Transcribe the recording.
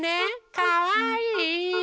かわいい。